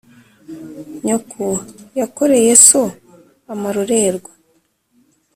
Nyoko yakoreye so amarorerwa !